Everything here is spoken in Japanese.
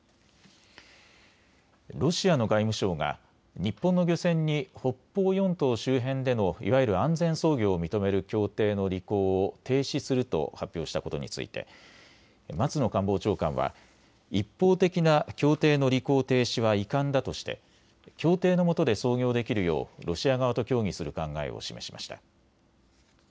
ロシアの外務省が日本の漁船に北方四島周辺でのいわゆる安全操業を認める協定の履行を停止すると発表したことについて松野官房長官は一方的な協定の履行停止は遺憾だとして協定のもとで操業できるようロシア側と協議する考えを示しました。